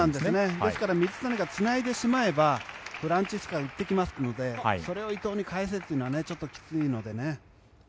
ですから、水谷がつないでしまえばフランツィスカが打ってきますのでそれを伊藤に返せというのはきついので。